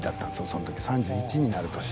その時３１になる年。